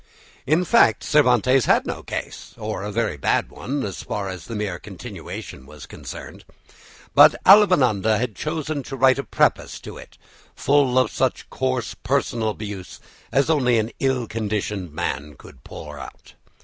In fact Cervantes had no case, or a very bad one, as far as the mere continuation was concerned. But Avellaneda chose to write a preface to it, full of such coarse personal abuse as only an ill conditioned man could pour out.